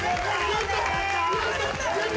やった！